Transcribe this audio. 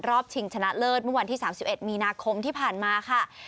ชิงชนะเลิศเมื่อวันที่๓๑มีนาคมที่ผ่านมาค่ะ